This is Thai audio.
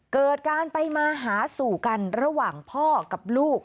เกิดการไปมาหาสู่กันระหว่างพ่อกับลูก